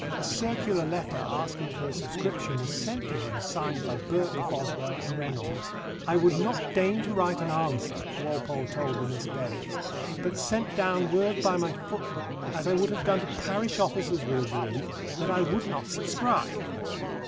A circular letter asking for a subscription was sent to him, signed by Burke, Boswell, and Reynolds. "I would not deign to write an answer," Walpole told the Miss Berrys, "but sent down word by my footman, as I would have done to parish officers with a brief, that I would not subscribe."